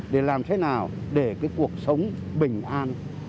để làm thế nào để cái cuộc sống bình an